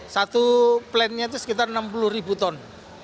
satu plannya itu sekitar enam puluh ribu ton